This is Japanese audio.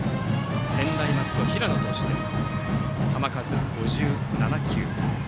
専大松戸、平野投手です。